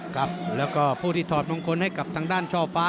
ครับแล้วก็ผู้ที่ถอดมงคลให้กับทางด้านช่อฟ้า